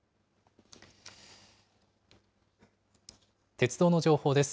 鉄道の情報です。